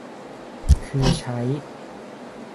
คือใช้